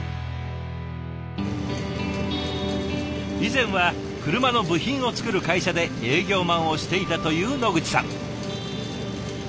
以前は車の部品を作る会社で営業マンをしていたという野口さん。